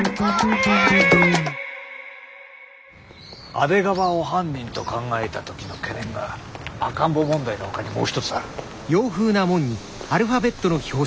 阿出川を犯人と考えた時の懸念が赤ん坊問題のほかにもう一つある。